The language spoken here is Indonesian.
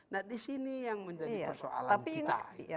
nah di sini yang menjadi persoalan kita